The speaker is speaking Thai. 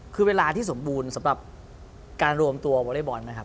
คือเวลาที่สมบูรณ์สำหรับการรวมตัววอเล็กบอลนะครับ